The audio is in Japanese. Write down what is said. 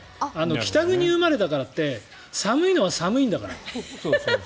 北国生まれだからって寒いのは寒いんだから。